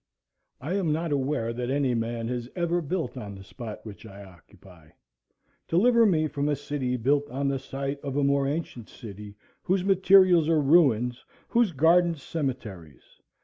I am not aware that any man has ever built on the spot which I occupy. Deliver me from a city built on the site of a more ancient city, whose materials are ruins, whose gardens cemeteries.